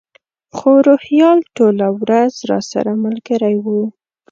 خو روهیال ټوله ورځ راسره ملګری و.